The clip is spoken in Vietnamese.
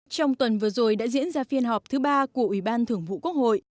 trong tuần vừa rồi đã diễn ra phiên họp thứ ba của ủy ban thưởng vụ quốc hội